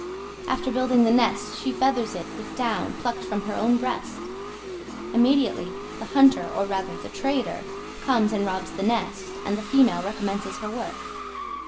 After building the nest she feathers it with down plucked from her own breast. Immediately the hunter, or rather the trader, comes and robs the nest, and the female recommences her work.